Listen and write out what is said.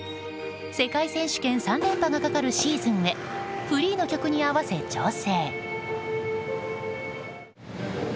世界選手権３連覇がかかるシーズンへフリーの曲に合わせ、調整。